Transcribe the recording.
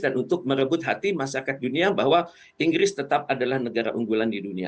dan untuk merebut hati masyarakat dunia bahwa inggris tetap adalah negara unggulan di dunia